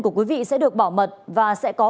của quý vị sẽ được bảo mật và sẽ có